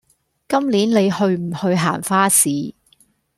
今年你去唔去行花市